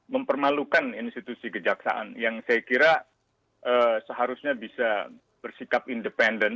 mempermalukan institusi kejaksaan yang saya kira seharusnya bisa bersikap independen